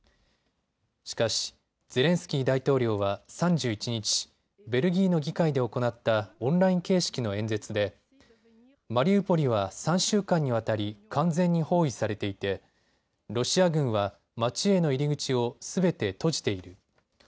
しかしゼレンスキー大統領は３１日、ベルギーの議会で行ったオンライン形式の演説でマリウポリは３週間にわたり完全に包囲されていてロシア軍は街への入り口をすべて閉じている。